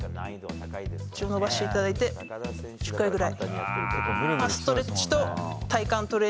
伸ばしていただいて１０回くらい。